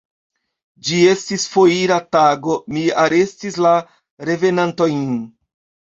Ĝi estis foira tago: mi arestis la revenantojn.